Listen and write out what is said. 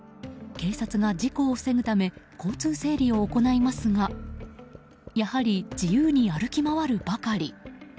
警察が事故を防ぐため交通整理を行いますがやはり自由に歩き回るばかり。